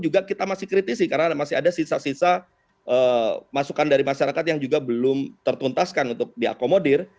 juga kita masih kritisi karena masih ada sisa sisa masukan dari masyarakat yang juga belum tertuntaskan untuk diakomodir